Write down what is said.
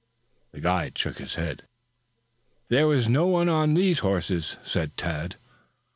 The guide shook his head. "There was no one on these horses," said Tad.